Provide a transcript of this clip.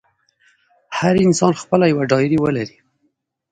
هر انسان خپله یوه ډایري ولري.